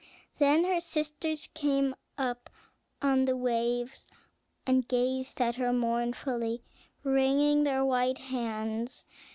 Then her sisters came up on the waves, and gazed at her mournfully, wringing their white hands.